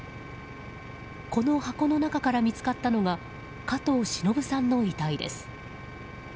この箱の中から見つかったのが加藤しのぶさんの遺体です。